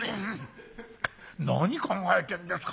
何考えてるんですか。